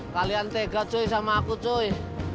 kalian tega cuy sama aku cuy